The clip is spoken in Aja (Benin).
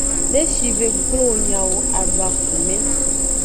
Ne shive glo wo nyawo, adu akume.